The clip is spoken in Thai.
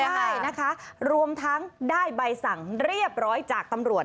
ได้นะคะรวมทั้งได้ใบสั่งเรียบร้อยจากตำรวจ